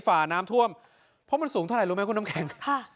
ฝ่าน้ำท่วมเพราะมันสูงเท่าไหร่รู้ไหมคุณน้ำแข็ง